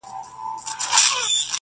د خپل ژوند عکس ته گوري.